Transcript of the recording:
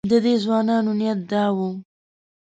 د دې ځوانانو نیت دا و.